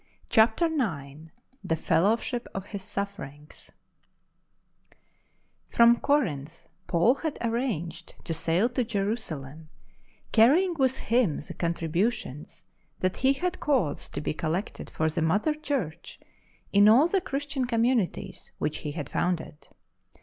CHAPTER IX " THE FELLOWSHIP OF HIS SUFFERINGS " From Corintli Paul had arranged to sail to Jerusalem, carrying with him the contri butions that he had caused to be collected for the Mother Church in all the Christian com munities which he had founded.